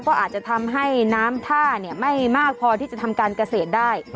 ก็อาจจะทำให้น้ำท่าไม่มากพอที่จะทำการเกษตรได้